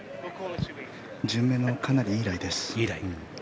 順目のかなりいいライです。